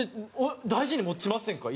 大事に持ちませんか？